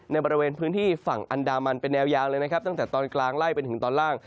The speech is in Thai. ในบริเวณพื้นที่ฝั่งอันดามันเป็นแนวยาวเลยนะครับตั้งแต่ตอนกลางไล่ไปถึงตอนล่าง